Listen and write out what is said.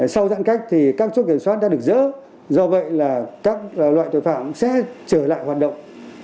sau giãn cách thì các chốt kiểm soát đã được dỡ do vậy là các loại tội phạm sẽ trở lại hoạt động